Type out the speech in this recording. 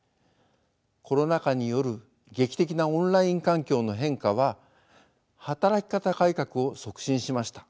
コロナ禍による劇的なオンライン環境の変化は働き方改革を促進しました。